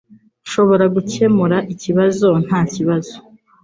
Nshobora gukemura ikibazo ntakibazo